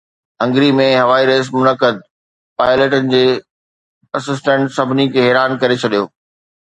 Hungary ۾ هوائي race منعقد، پائليٽن جي اسٽنٽ سڀني کي حيران ڪري ڇڏيو